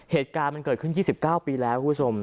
เหตุการณ์มันเกิดขึ้น๒๙ปีแล้วคุณผู้ชม